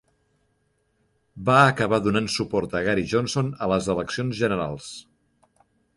Va acabar donant suport a Gary Johnson a les eleccions generals.